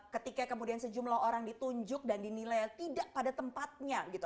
ketika kemudian sejumlah orang ditunjuk dan dinilai tidak pada tempatnya gitu